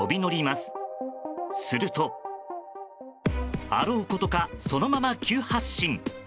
すると、あろうことかそのまま急発進。